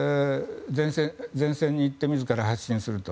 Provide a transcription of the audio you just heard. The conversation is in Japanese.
前線に行って自ら発信すると。